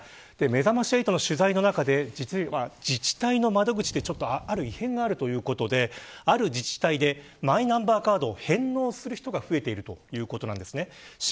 めざまし８の取材の中で自治体の窓口である異変があるということである自治体でマイナンバーカードを返納する人が増えているということです。